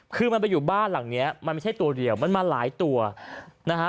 คือมันไปอยู่บ้านหลังเนี้ยมันไม่ใช่ตัวเดียวมันมาหลายตัวนะฮะ